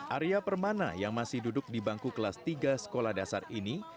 arya permana yang masih duduk di bangku kelas tiga sekolah dasar ini